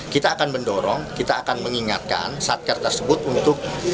kita akan mendorong kita akan mengingatkan satker tersebut untuk